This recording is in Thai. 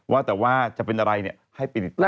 ว่าแต่ว่าจะเป็นอะไรให้ไปติดตาม